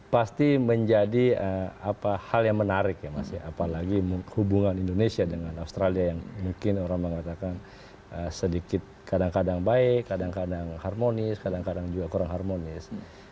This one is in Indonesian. pasti menjadi hal yang menarik ya mas ya apalagi hubungan indonesia dengan australia yang mungkin orang mengatakan sedikit kadang kadang baik kadang kadang harmonis kadang kadang juga kurang harmonis